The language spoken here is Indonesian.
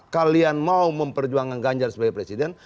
kalian mau memperjuangkan ganjar sebagai presiden